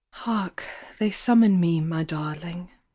"Hark, they summon me, my darling.